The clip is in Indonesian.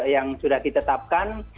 yang sudah ditetapkan